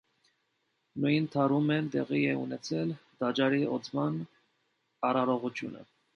Նույն դարում էլ տեղի է ունեցել տաճարի օծման արարողությունը։